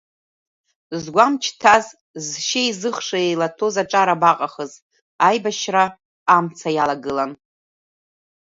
Згәамч ҭаз, зшьеи зыхши еилаҭәоз аҿар абаҟахыз, аибашьра амца иалагылан.